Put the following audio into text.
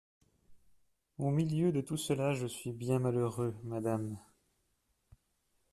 Au milieu de tout cela, je suis bien malheureux, madame…